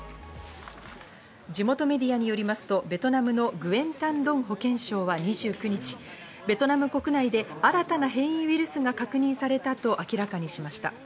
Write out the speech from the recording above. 地元メディアによりますとベトナムのグエン・タン・ロン保健相は２９日、ベトナム国内で新たな変異ウイルスが確認されたと明らかにしました。